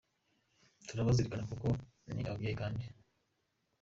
turabuzirikana kuko ni ababyeyi kandi.